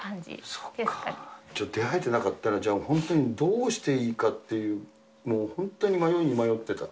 そっか、じゃあ出会えてなかったら本当にどうしていいかっていう、もう本当に迷いに迷ってた。